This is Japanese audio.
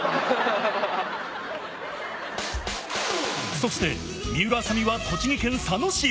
そして水卜麻美は栃木県佐野市へ。